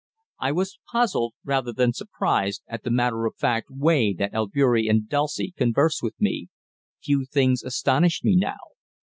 I was puzzled, rather than surprised, at the matter of fact way that Albeury and Dulcie conversed with me few things astonished me now.